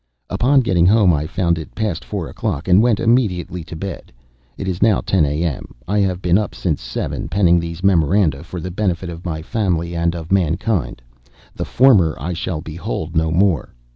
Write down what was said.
Upon getting home I found it past four o'clock, and went immediately to bed. It is now ten A.M. I have been up since seven, penning these memoranda for the benefit of my family and of mankind. The former I shall behold no more.